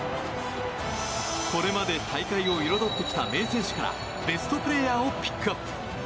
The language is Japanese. これまで大会を彩ってきた名選手からベストプレーヤーをピックアップ。